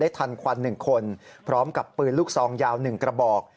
ทันควัน๑คนพร้อมกับปืนลูกซองยาว๑กระบอก